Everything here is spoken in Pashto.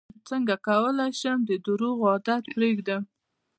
څنګه کولی شم د درواغو عادت پرېږدم